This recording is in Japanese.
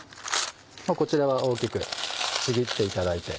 こちらは大きくちぎっていただいて。